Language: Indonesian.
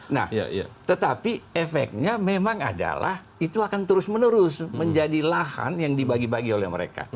nah tetapi efeknya memang adalah itu akan terus menerus menjadi lahan yang dibagi bagi oleh mereka